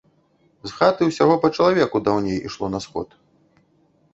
З хаты ўсяго па чалавеку даўней ішло на сход.